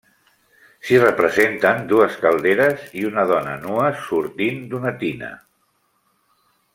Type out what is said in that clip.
S'hi representen dues calderes i una dona nua sortint d'una tina.